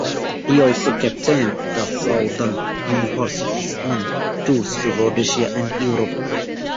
He also captained the Southern Universities on tours to Rhodesia and Europe.